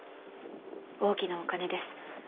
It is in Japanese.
大きなお金です。